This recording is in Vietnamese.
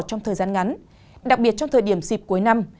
trong thời gian ngắn đặc biệt trong thời điểm dịp cuối năm